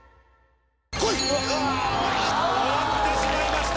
終わってしまいました。